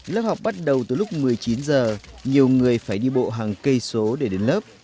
lớp học bắt đầu từ lúc một mươi chín giờ nhiều người phải đi bộ hàng cây số để đến lớp